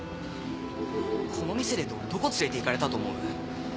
この店出てどこ連れて行かれたと思う？